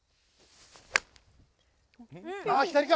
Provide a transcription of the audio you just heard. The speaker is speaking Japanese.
あっ左か。